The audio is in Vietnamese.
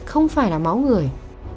không phải là máu người